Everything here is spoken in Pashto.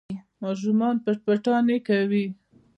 ماشومان پټ پټانې کوي.